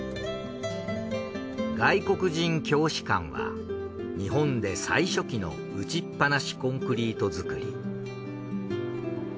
外国人教師館は日本で最初期の打放しコンクリート造り。